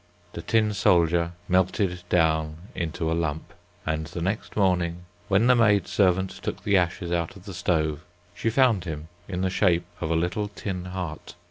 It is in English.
The tin soldier melted down into a lump, and the next morning, when the maid servant took the ashes out of the stove, she found him in the shape of a little tin heart.